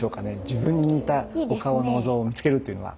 自分に似たお顔のお像を見つけるっていうのは？